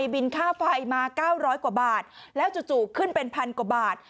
บินค่าไฟมา๙๐๐กว่าบาทแล้วจู่ขึ้นเป็นพันกว่าบาท